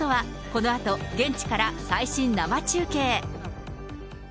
このあと現地から最新生中継。